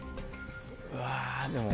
うわでも。